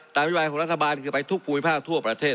นโยบายของรัฐบาลคือไปทุกภูมิภาคทั่วประเทศ